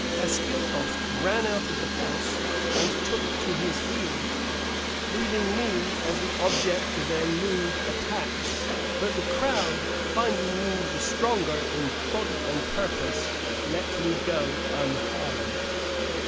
(Ascyltos ran out of the house and took to his heels, leaving me as the object of their lewd attacks, but the crowd, finding me the stronger in body and purpose, let me go unharmed.)